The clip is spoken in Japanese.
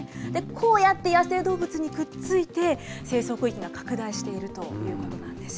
こうやって野生動物にくっついて、生息域が拡大しているということなんです。